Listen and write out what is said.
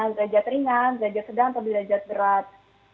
derajat ringan derajat sedang atau derajat berat